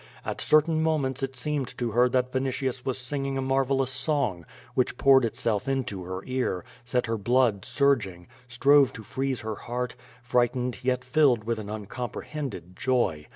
At certain moments it seemed to her that Vinitius was singing a marvelous song, which poured itself into her car, set her blood surging, strove to freeze her heart, frightened yet filled with an uncomprehended joy.